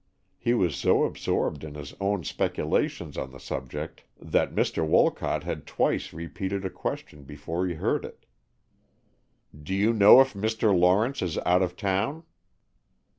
He was so absorbed in his own speculations on the subject that Mr. Wolcott had twice repeated a question before he heard it. "Do you know if Mr. Lawrence is out of town?"